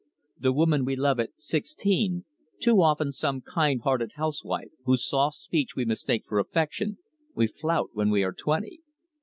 The woman we love at sixteen too often some kind hearted housewife, whose soft speech we mistake for affection we flout when we are twenty.